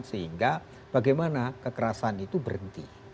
sehingga bagaimana kekerasan itu berhenti